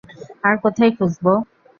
আর কোথায় খুঁজব?